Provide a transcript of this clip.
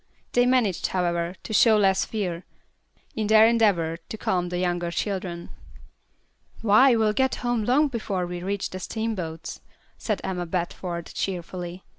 They managed, however, to show less fear, in their endeavor to calm the younger children. "Why, we'll get home long before we reach the steamboats," said Emma Bradford, cheerfully.